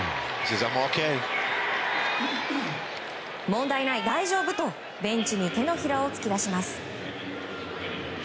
問題ない、大丈夫とベンチに手のひらを突き出します。